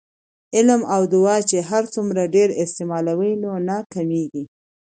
علم او دعاء چې هرڅومره ډیر استعمالوې نو نه کمېږي